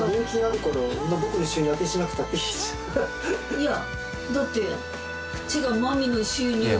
いやだって。